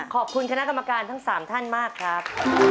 ขอบคุณคณะกรรมการทั้ง๓ท่านมากครับ